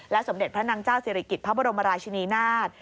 สมเด็จพระนางเจ้าศิริกิจพระบรมราชินีนาฏ